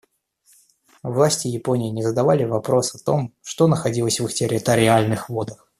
Власти Японии не задавали вопрос о том, что находилось в их территориальных водах.